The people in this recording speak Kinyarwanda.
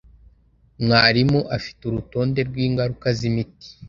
Mwarimu afite urutonde rw'ingaruka z'imiti.